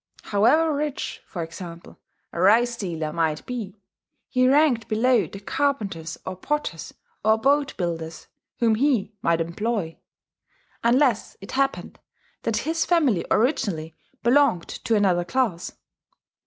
However rich, for example, a rice dealer might be, he ranked below the carpenters or potters or boat builders whom he might employ, unless it happened that his family originally belonged to another class.